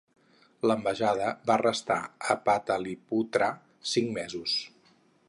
L'ambaixada va restar a Pataliputra cinc mesos.